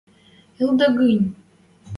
– Ылыда гӹнь!